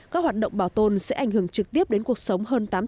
các hoạt động bảo tồn sẽ ảnh hưởng trực tiếp đến cuộc sống của các người